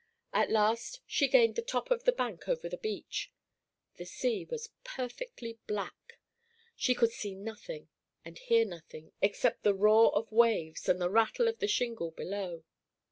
At last she gained the top of the bank over the beach. The sea was perfectly black; she could see nothing and hear nothing, except the roar of waves and the rattle of the shingle below.